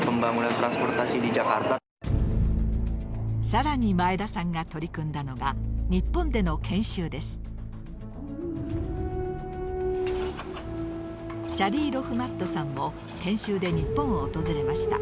更に前田さんが取り組んだのがシャリー・ロフマットさんも研修で日本を訪れました。